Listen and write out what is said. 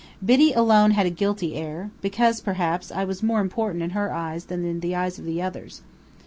Biddy alone had a guilty air, because, perhaps, I was more important in her eyes than in the eyes of the others.